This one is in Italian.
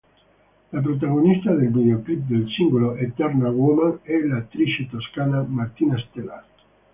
La protagonista del videoclip del singolo "Eternal Woman" è l'attrice toscana Martina Stella.